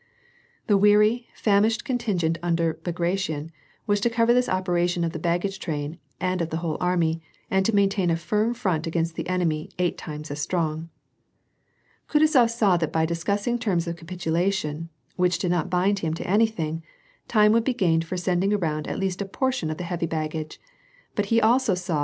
The weary, famished contingent under Bagration was to cover this operation of the baggage train and of the whole army, and to maintain a firm front against an enemy eight times as strong. Kutuzof saw that by discussing terms of capitulation, which did not bind him to anything, time would be gained for sending around at least a portion of the heavy baggage, but he also saw t!